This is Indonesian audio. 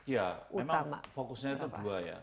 ya memang fokusnya itu dua ya